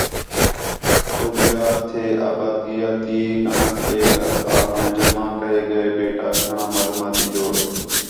کُجھ گار تھئے آبادیاتی ڳَݨَت ݙے کر آپݨے جمع کَئے ڳئے ڈیٹاک گھݨاں معلوماتی جوڑ